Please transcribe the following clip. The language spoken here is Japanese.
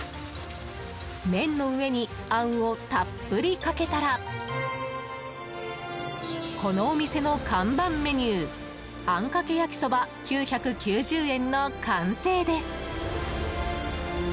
麺の上にあんをたっぷりかけたらこのお店の看板メニューあんかけ焼そば、９９０円の完成です。